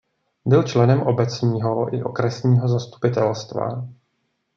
Byl členem obecního i okresního zastupitelstva.